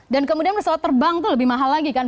dan kemudian pesawat terbang itu lebih mahal lagi kan